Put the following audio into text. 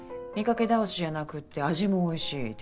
見掛け倒しじゃなくって味もおいしい。